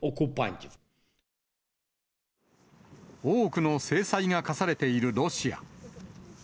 多くの制裁が科されているロシア。